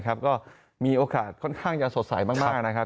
ก็มีโอกาสค่อนข้างจะสดใสมากนะครับ